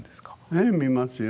ええ見ますよ。